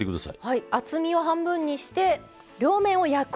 厚みを半分にして両面を焼く。